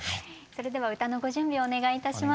それでは歌のご準備をお願いいたします。